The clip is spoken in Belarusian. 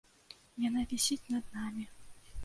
Яна вісіць над намі.